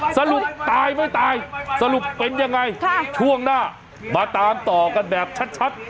สรุปตายไม่ตายสรุปเป็นยังไงช่วงหน้ามาตามต่อกันแบบชัด